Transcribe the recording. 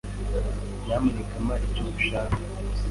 Nyamuneka mpa icyo nshaka.